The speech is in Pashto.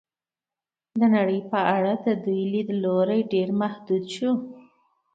د نړۍ په اړه د دوی لید لوری ډېر محدود شو.